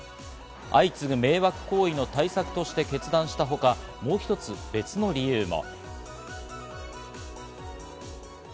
相次ぐ迷惑行為の対策として決断したほか、もう一つ、別の理由も。